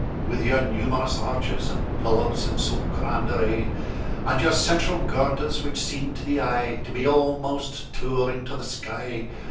With your numerous arches and pillars in so grand array And your central girders, which seem to the eye To be almost towering to the sky.